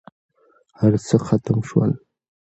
هرڅه ختم شول.